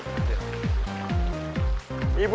terima kasih bu